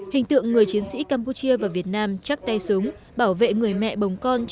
hình tượng người chiến sĩ campuchia và việt nam chắc tay súng bảo vệ người mẹ bồng con